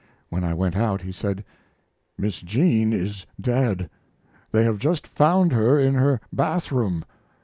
When I went out he said: "Miss Jean is dead. They have just found her in her bath room.